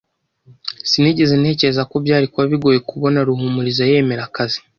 Sinigeze ntekereza ko byari kuba bigoye kubona Ruhumuriza yemera akazi.